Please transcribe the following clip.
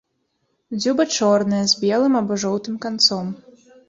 Дзюба чорная, з белым або жоўтым канцом.